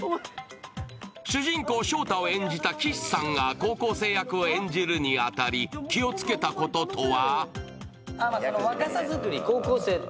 主人公・勝太を演じた岸さんが高校生役を演じるに当たり気をつけたこととは？